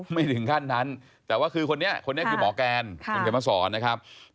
ไม่ถึงขั้นนั้นแต่ว่าคือคนนี้หมอแกนมาสอนนะครับ